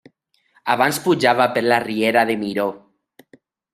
Abans pujava per la Riera de Miró.